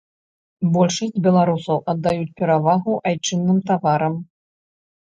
Большасць беларусаў аддаюць перавагу айчынным таварам.